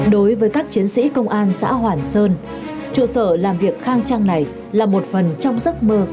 đối với các chiến sĩ công an xã hoàn sơn trụ sở làm việc khang trang này là một phần trong giấc mơ